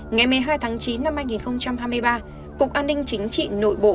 ngày một mươi hai tháng chín năm hai nghìn hai mươi ba cục an ninh chính trị nội bộ